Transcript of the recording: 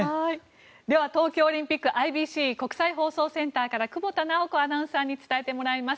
では、東京オリンピックＩＢＣ・国際放送センターから久保田直子アナウンサーに伝えてもらいます。